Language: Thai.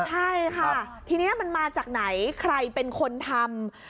ใช่ค่ะทีนี้มันมาจากไหนใครเป็นคนทำ